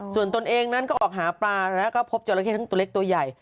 ส่วนตนเองนั้นก็ออกหาปลาแล้วก็พบจราเข้ทั้งตัวเล็กตัวใหญ่